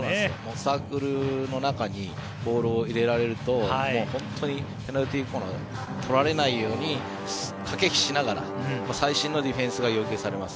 サークルの中にボールを入れられると本当にペナルティーコーナー取られないように駆け引きしながら最新のディフェンスが要求されます。